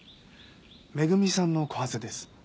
恵さんのコハゼです。